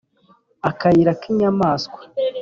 Akayira k'inyamaswa